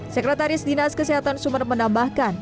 sekretaris dinas kesehatan sumeneb menambahkan